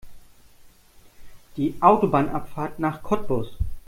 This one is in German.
Die Autobahnabfahrt nach Cottbus